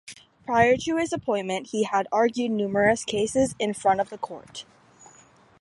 Prior to his appointment, he had argued numerous cases in front of the Court.